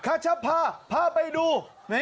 ข้าจะพาพาไปดู